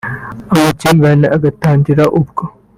amakimbirane agatangira ubwo